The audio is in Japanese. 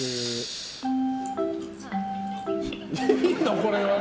これは。